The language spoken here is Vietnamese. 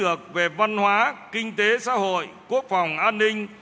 lực về văn hóa kinh tế xã hội quốc phòng an ninh